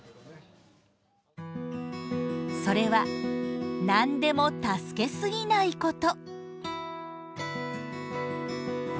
それは何でも助けすぎないこと。